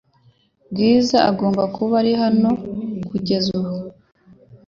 Bwiza agomba kuba ari hano kugeza ubu .